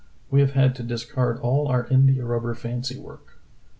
We have had to discard ail our India rubber fancy work.